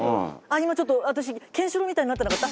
今ちょっと私ケンシロウみたいになってなかった？